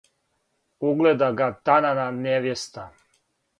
Угледа га танана невјеста,